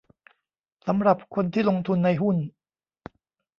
สำหรับคนที่ลงทุนในหุ้น